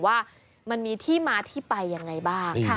ว่ามันมีที่มาที่ไปยังไงบ้าง